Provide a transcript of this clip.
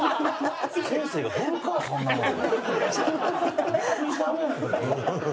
先生が振るかそんなもん。